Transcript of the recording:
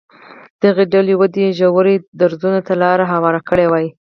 دغې ډول ودې ژورو درزونو ته لار هواره کړې وای.